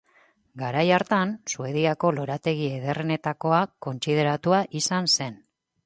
Garai hartan Suediako lorategi ederrenetakoa kontsideratua izan zen.